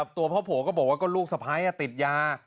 ตัวพ่อผัวก็บอกว่าก็ลูกสะพ้ายติดยา